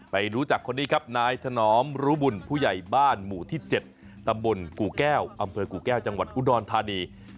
รู้จักคนนี้ครับนายถนอมรู้บุญผู้ใหญ่บ้านหมู่ที่๗ตำบลกู่แก้วอำเภอกู่แก้วจังหวัดอุดรธานี